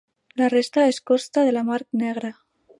La resta és costa de la Mar Negra.